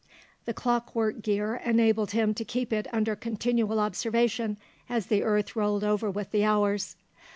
The clock work gear enabled him to keep it under continual observation as the earth rolled over with the hours.